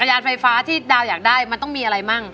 ยานไฟฟ้าที่ดาวอยากได้มันต้องมีอะไรมั่ง